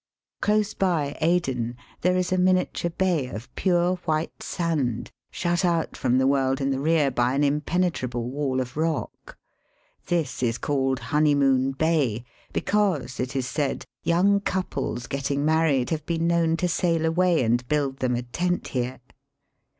Close by Aden there is a miniature bay of pure white sand, shut out from the world in the rear by an impenetrable wall of rock ; this is called " Honeymoon Bay,'* because, it is said, young couples getting married have been known to sail away and build them a tent here.